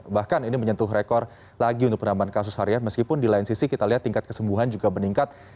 bahkan ini menyentuh rekor lagi untuk penambahan kasus harian meskipun di lain sisi kita lihat tingkat kesembuhan juga meningkat